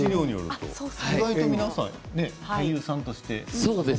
意外と皆さん俳優さんとして。